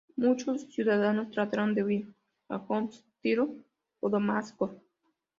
Muchos ciudadanos trataron de huir a Homs, Tiro o Damasco.